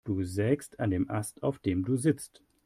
Du sägst an dem Ast, auf dem du sitzt.